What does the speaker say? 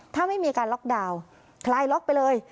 ถ้าไม่มีการล็อกดาวน์คลายล็อกไปเลย